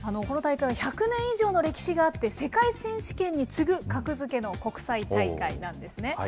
この大会は１００年以上の歴史があって、世界選手権に次ぐ格付けの国際大会なんですね。